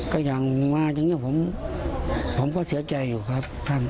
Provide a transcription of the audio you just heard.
ก็อย่างมาอย่างนี้ผมก็เสียใจอยู่ครับท่าน